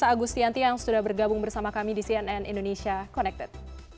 terima kasih banyak banyak yang sudah bergabung bersama kami di cnn indonesia connected